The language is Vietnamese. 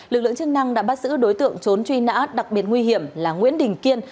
lực lượng chức năng đã bắt giữ đối tượng trốn truy nã đặc biệt nguy hiểm là nguyễn đình kiên